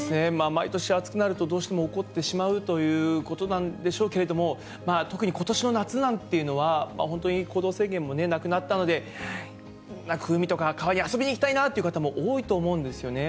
毎年暑くなると、どうしても起こってしまうということなんでしょうけれども、特にことしの夏なんていうのは、本当に行動制限もなくなったので、海とか川に遊びに行きたいなという方も多いと思うんですよね。